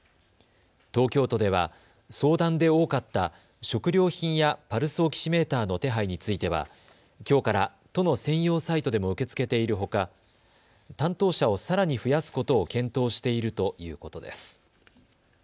東京都では相談で多かった食料品やパルスオキシメーターの手配についてはきょうから都の専用サイトでも受け付けているほか担当者をさらに増やすことを検討しているということです。